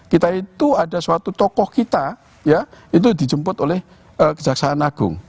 kita itu ada suatu tokoh kita ya itu dijemput oleh kejaksaan agung